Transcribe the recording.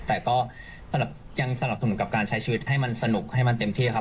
แต่ก็ยังสนับสนุนกับการใช้ชีวิตให้มันสนุกให้มันเต็มที่ครับ